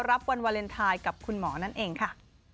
วันวาเลนไทยกับคุณหมอนั่นเองค่ะ